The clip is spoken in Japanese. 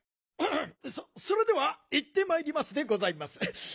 ンンそれではいってまいりますでございます。